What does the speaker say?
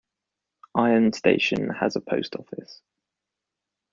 Iron Station has a Post Office.